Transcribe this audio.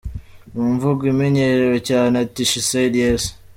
Mu mvugo imenyerewe cyane ati “She said yes!”.